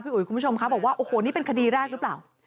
อุ๋ยคุณผู้ชมคะบอกว่าโอ้โหนี่เป็นคดีแรกหรือเปล่า